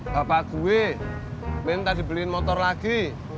bapak gue minta dibeliin motor lagi